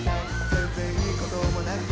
「全然良いこともなくて」